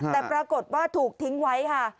แต่ปรากฏว่าถูกทิ้งไว้ค่ะ